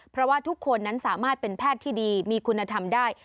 เพราะว่าทุกคนนั้นสามารถเป็นแพทย์ที่ดีมีคุณธรรมได้